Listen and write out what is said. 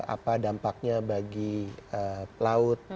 apa dampaknya bagi laut